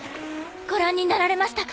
ご覧になられましたか？